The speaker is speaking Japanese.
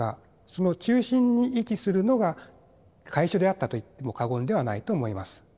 その中心に位置するのが会所であったと言っても過言ではないと思います。